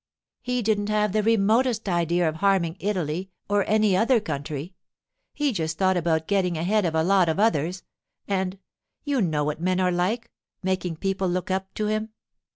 He didn't have the remotest idea of harming Italy or any other country. He just thought about getting ahead of a lot of others, and—you know what men are like—making people look up to him.